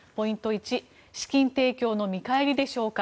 １資金提供の見返りでしょうか。